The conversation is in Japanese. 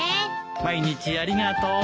毎日ありがとう。